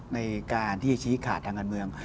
ในการที่ชี้ขาดทางการเมือง